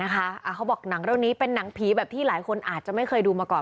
เขาบอกหนังเรื่องนี้เป็นหนังผีแบบที่หลายคนอาจจะไม่เคยดูมาก่อน